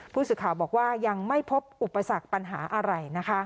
ผู้สื่อข่าวบอกว่ายังไม่พบอุปสรรคปัญหาอะไรนะคะ